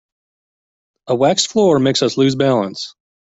A waxed floor makes us lose balance.